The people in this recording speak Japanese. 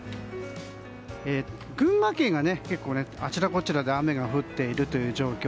群馬県が結構、あちらこちらで雨が降っているという状況。